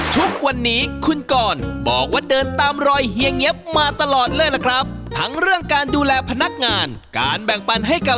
ทุกวันนี้คุณกรบอกว่าเดินตามรอยเฮียเงียบมาตลอดเลยล่ะครับ